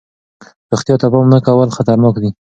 روغتیا ته پام نه کول خطرناک دی.